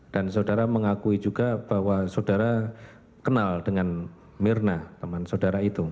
dan saudara mengakui juga bahwa saudara kenal dengan mirna teman saudara itu